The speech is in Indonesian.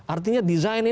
artinya desain ini